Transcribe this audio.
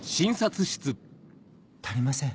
足りません。